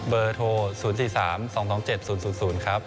เบอร์โทร๐๔๓๒๗๐๐ครับ